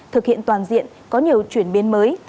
thực hiện toàn diện có nhiều chuyển biến mới